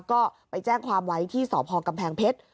ก็ไปแจ้งความไว้ที่สพกำแพงเพชร